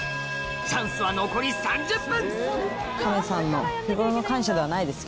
チャンスは残り３０分！